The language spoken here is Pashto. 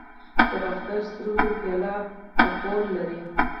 د باختر سرو زرو پیالې اپولو لري